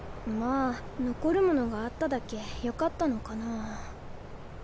まあ残るものがあっただけよかったのかな。